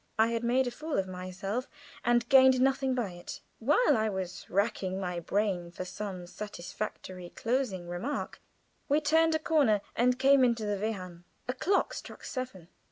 I had made a fool of myself and gained nothing by it. While I was racking my brain for some satisfactory closing remark, we turned a corner and came into the Wehrhahn. A clock struck seven.